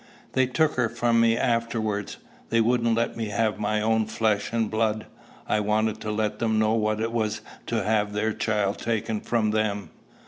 "They took her from me afterwards. They wouldn't let me have my own flesh and blood. I wanted to let them know what it was to have their child taken from them."